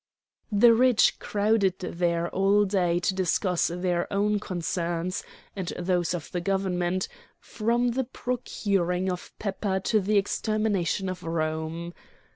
The rich crowded there all day to discuss their own concerns and those of the government, from the procuring of pepper to the extermination of Rome.